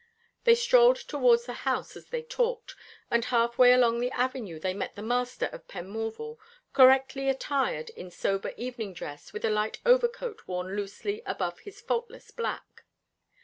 They strolled towards the house as they talked, and half way along the avenue they met the master of Penmorval, correctly attired in sober evening dress, with a light overcoat worn loosely above his faultless black.